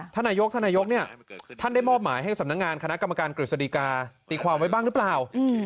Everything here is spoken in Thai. ท่านนายกท่านนายกเนี่ยท่านได้มอบหมายให้สำนักงานคณะกรรมการกฤษฎีกาตีความไว้บ้างหรือเปล่า